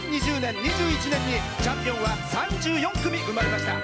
２０２０年、２０２１年にチャンピオンは３４組、生まれました。